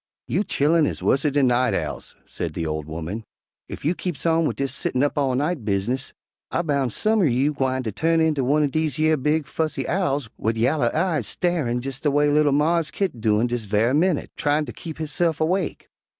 "You chillen is wusser dan night owls," said the old woman. "Ef you keeps on wid dis settin' up all night bizness, I boun' some er you gwine turn inter one'r dese yer big, fussy owls wid yaller eyes styarin', jes' de way li'l Mars Kit doin' dis ve'y minnit, tryin' ter keep hisse'f awake.